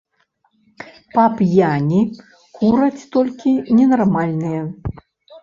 Па п'яні кураць толькі ненармальныя!